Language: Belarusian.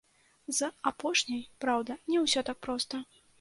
З апошняй, праўда, не ўсё так проста.